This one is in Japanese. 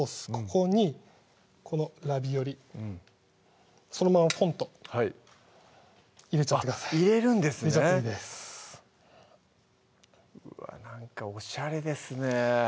ここにこのラビオリそのままポンと入れちゃってください入れるんですね入れちゃっていいですうわなんかおしゃれですね